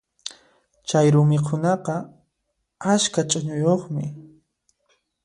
Chayru mikhunaqa askha ch'uñuyuqmi.